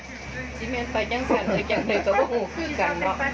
กินแม่นตายอย่างสรรค์อย่างเดินต้นกูคืองานบอก